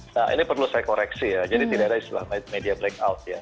nah ini perlu saya koreksi ya jadi tidak ada istilah media blackout ya